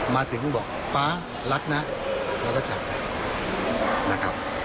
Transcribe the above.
มาถึงบอกป๊ารักนะแล้วก็จับเลยนะครับ